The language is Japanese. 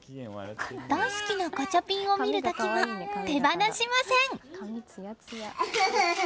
大好きなガチャピンを見る時も手離しません。